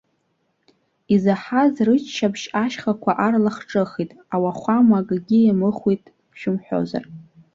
Изаҳаз рыччаԥшь ашьхақәа арлахҿыхит, ауахәама акгьы иамыхәеит шәымҳәозар.